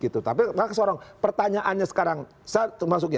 tapi seorang pertanyaannya sekarang